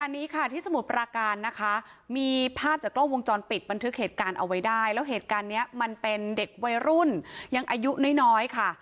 อันนี้ค่ะที่สมุทรปราการนะคะมีภาพจากกล้องวงจรปิดบันทึกเหตุการณ์เอาไว้ได้แล้วเหตุการณ์เนี้ยมันเป็นเด็กวัยรุ่นยังอายุน้อยน้อยค่ะ